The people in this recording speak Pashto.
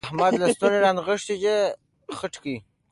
احمد لستوڼي رانغښتي دي؛ خټې کوي.